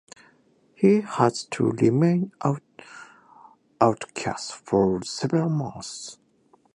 He has to remain an outcast for several months.